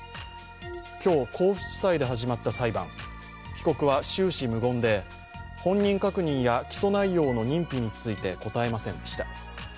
今日、甲府地裁で始まった裁判被告は終始無言で、本人確認や起訴内容の認否について答えませんでした。